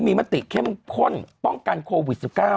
มีมติเข้มข้นป้องกันโควิด๑๙